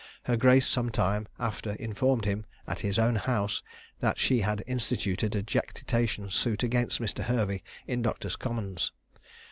Her grace some time after informed him, at his own house, that she had instituted a jactitation suit against Mr. Hervey in Doctors' Commons.